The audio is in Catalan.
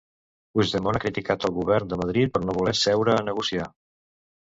Puigdemont ha criticat el govern de Madrid per no voler seure a negociar.